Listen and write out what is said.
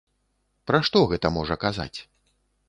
Пра што гэта можа казаць?